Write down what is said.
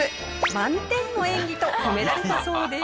満点の演技と褒められたそうです。